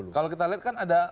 kalau kita lihat kan ada